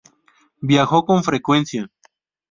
Viajó con frecuencia.